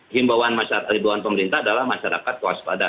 himbawan pemerintah adalah masyarakat waspada